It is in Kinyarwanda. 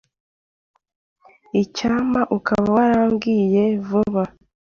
Icyampa ukaba warambwiye vuba.